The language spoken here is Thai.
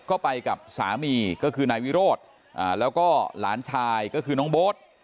ก็ไปกับสามีก็คือนายวิโรธแล้วก็หลานชายก็คือน้องโบ๊ท